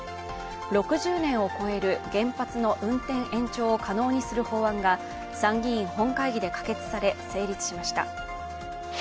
６０年を超える原発の運転延長を可能にする法案が、参議院本会議で可決され成立しました。